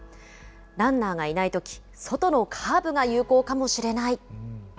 ランナーがいないとき、外のカーブが有効かもしれない。